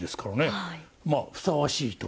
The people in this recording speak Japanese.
まあふさわしいと。